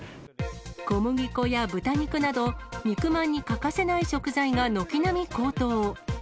小麦粉や豚肉など、肉まんに欠かせない食材が軒並み高騰。